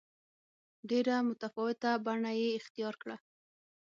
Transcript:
ډېره متفاوته بڼه یې اختیار کړه.